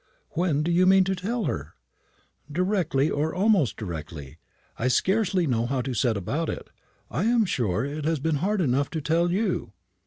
"When do you mean to tell her?" "Directly or almost directly. I scarcely know how to set about it. I am sure it has been hard enough to tell you."